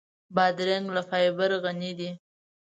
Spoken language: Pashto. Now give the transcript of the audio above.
بادرنګ له فایبره غني دی.